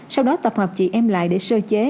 sau đó tập hợp chị em lại để sơ chế